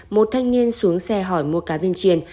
một thanh niên xuống xe hỏi mua cá viên chiên